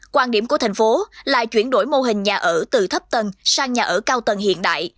quan điểm của thành phố là chuyển đổi mô hình nhà ở từ thấp tầng sang nhà ở cao tầng hiện đại